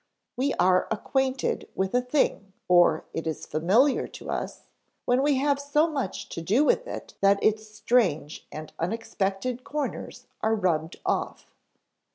We are acquainted with a thing (or it is familiar to us) when we have so much to do with it that its strange and unexpected corners are rubbed off.